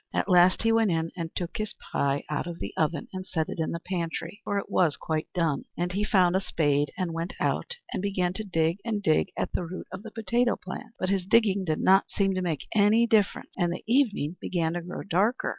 At last he went in, and took his pie out of the oven, and set it in the pantry, for it was quite done. And he found a spade, and went out, and began to dig and dig at the root of the potato plant. But his digging did not seem to make any difference; and the evening began to grow darker.